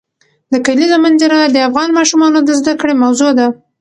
د کلیزو منظره د افغان ماشومانو د زده کړې موضوع ده.